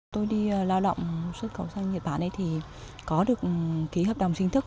tôi đi lao động xuất khẩu sang nhật bản thì có được ký hợp đồng chính thức